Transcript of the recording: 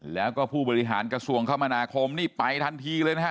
แล้วก็ผู้บริหารกระทรวงคมนาคมนี่ไปทันทีเลยนะฮะ